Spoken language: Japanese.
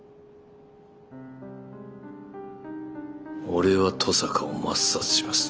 俺は登坂を抹殺します。